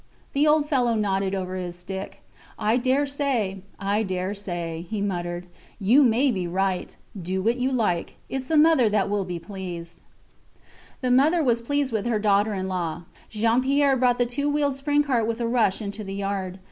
The old fellow nodded over his stick. I dare say; I dare say, he muttered. You may be right. Do what you like. Its the mother that will be pleased. The mother was pleased with her daughter in law. Jean Pierre brought the two wheeled spring cart with a rush into the yard.